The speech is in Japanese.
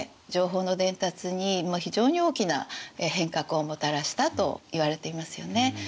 情報の伝達に非常に大きな変革をもたらしたといわれていますよね。